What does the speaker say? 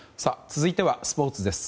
続いてはスポーツです。